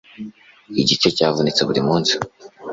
Igice cyavunitse buri munsi